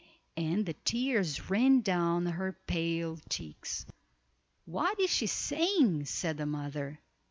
and the tears ran down her pale cheeks. "What is she saying?" said the mother.